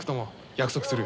約束する。